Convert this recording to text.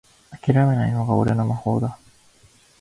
あきらめないのが俺の魔法だ